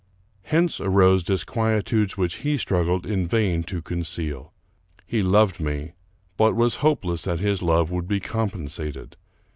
Hence arose disquietudes which he struggled in vain to conceal. He loved me, but was hopeless that his love would be compensated.